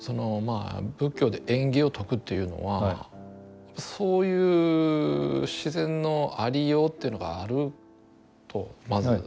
あ仏教で縁起を説くというのはそういう自然のありようというのがあるとまず。